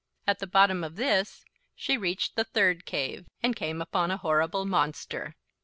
At the bottom of this she reached the third cave, and came upon a horrible monster.